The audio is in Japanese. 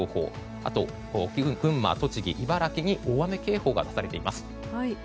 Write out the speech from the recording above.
あと群馬、栃木、茨城に大雨警報が出されています。